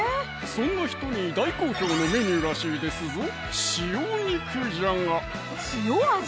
そんな人に大好評のメニューらしいですぞ「塩肉じゃが」塩味？